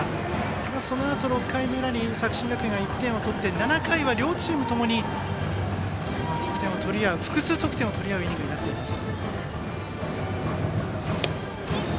ただそのあと６回の裏に作新学院が１点を取って７回は両チームともに複数得点を取り合うイニングになっています。